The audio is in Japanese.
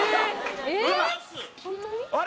あれ？